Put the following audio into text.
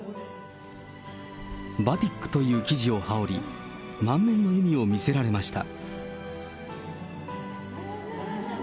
バティックという生地を羽織り、満面の笑みを見せられました。